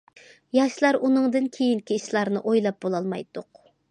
ياشلار ئۇنىڭدىن كېيىنكى ئىشلارنى ئويلاپ بولالمايتتۇق.